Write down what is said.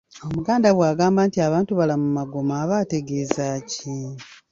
Omuganda bwagamba nti abantu balamu magoma, aba ategeeza ki?